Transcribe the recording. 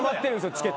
チケット。